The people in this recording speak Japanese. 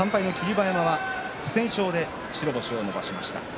馬山は不戦勝で白星を伸ばしました。